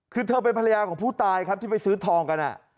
คือเธอเป็นภรรยาของผู้ตายครับที่ไปซื้อทองกัน